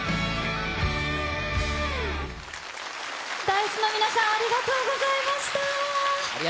ｉＣＥの皆さん、ありがとうございました。